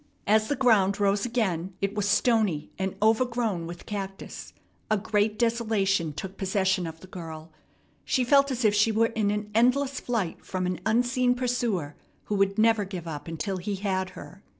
As the ground rose again, it was stony and overgrown with cactus. A great desolation took possession of the girl. She felt as if she were in an endless flight from an unseen pursuer, who would never give up until he had her.